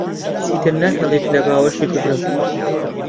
چیتر ناهێڵێت لە باوەشی بگرم.